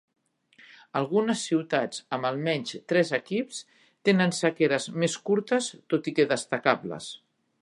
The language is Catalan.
Algunes ciutats amb almenys tres equips tenen sequeres més curtes tot i que destacables.